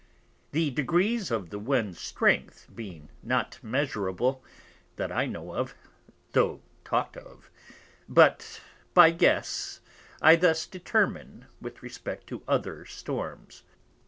The degrees of the Wind's Strength being not measurable (that I know of, though talk'd of) but by guess, I thus determine, with respect to other Storms.